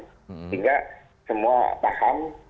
sehingga semua paham